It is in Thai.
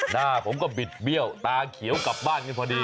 หน้าผมก็บิดเบี้ยวตาเขียวกลับบ้านกันพอดี